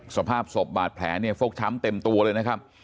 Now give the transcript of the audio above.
สภาพศพบาดแผลเนี่ยฟกช้ำเต็มตัวเลยนะครับ